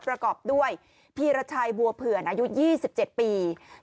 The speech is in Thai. ประกอบด้วยพีรชัยบัวเผื่อนอายุ๒๗ปี